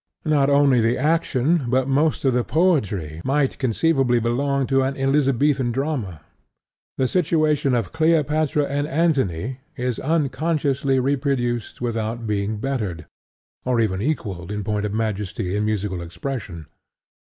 Not only the action, but most of the poetry, might conceivably belong to an Elizabethan drama. The situation of Cleopatra and Antony is unconsciously reproduced without being bettered, or even equalled in point of majesty and musical expression.